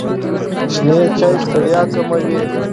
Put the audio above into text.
شنې چایی ستړیا کموي.